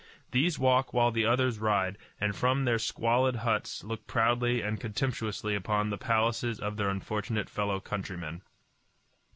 These walk while the others ride, and from their squalid huts look proudly and contemptuously upon the palaces of their unfortunate fellow countrymen.